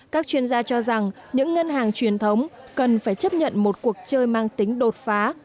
các chuyên gia cho rằng những ngân hàng truyền thống cần phải chấp nhận một cuộc chơi mang tính đột phá